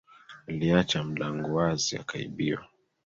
Aliacha mlangu wazi akaibiwa